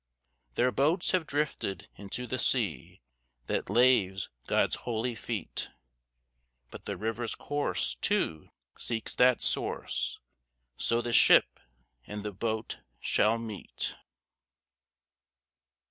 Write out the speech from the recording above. Their boats have drifted into the sea That laves God's holy feet. But the river's course, too, seeks that source, So the ship and the boat shall meet.